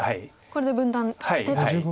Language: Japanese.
これで分断してと。